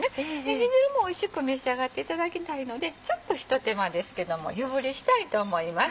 煮汁もおいしく召し上がっていただきたいのでちょっと一手間ですけども湯振りしたいと思います。